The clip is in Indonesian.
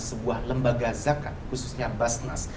sebuah lembaga zakat khususnya basnas